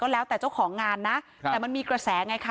แล้วแต่เจ้าของงานนะแต่มันมีกระแสไงคะ